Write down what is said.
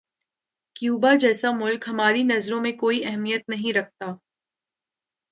Cuba جیسا ملک ہماری نظروں میں کوئی اہمیت نہیں رکھتا۔